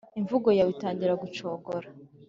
imvugo yawe itangira gucogora.